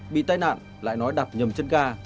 bị tai nạn lại nói đập nhầm chân gà